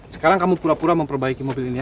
sekarang kamu pura pura memperbaiki mobil ini